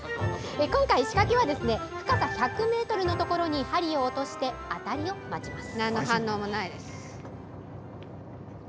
今回、仕掛けは深さ１００ｍのところに針を落として、当たりを待ちます。